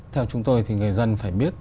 theo chúng tôi thì người dân phải biết